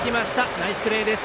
ナイスプレーです。